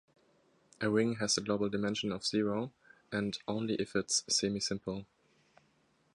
A ring has global dimension zero if and only if it is semisimple.